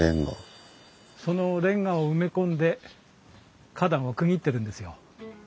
そのレンガを埋め込んで花壇を区切ってるんですよ。